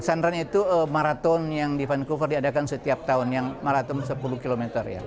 pesantren itu maraton yang di vancouver diadakan setiap tahun yang maraton sepuluh km ya